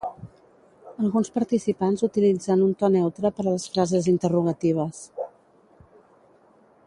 Alguns participants utilitzen un to neutre per a les frases interrogatives.